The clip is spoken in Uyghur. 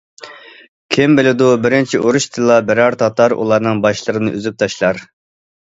كىم بىلىدۇ، بىرىنچى ئۇرۇشتىلا بىرەر تاتار ئۇلارنىڭ باشلىرىنى ئۈزۈپ تاشلار.